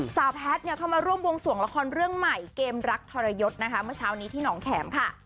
สาวแพทย์เข้ามาร่วมวงส่วนละครเรื่องใหม่เกมรักธรยศมันเช้านี้ที่หนองแขมค่ะ